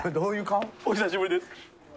お久しぶりです。